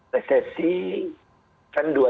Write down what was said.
resesi kan dua